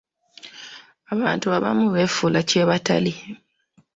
Abantu abamu beefuula kye batali.